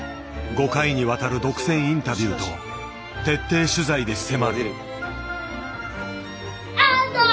５回にわたる独占インタビューと徹底取材で迫る。